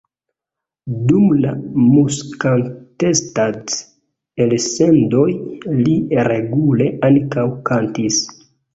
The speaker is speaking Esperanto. Dum la "Musikantenstadl"-elsendoj li regule ankaŭ kantis.